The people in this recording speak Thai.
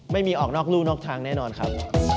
ไม่มีออกนอกรู่นอกทางแน่นอนครับ